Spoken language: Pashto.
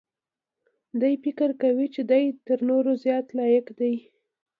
دی فکر کوي چې دی تر نورو زیات لایق دی.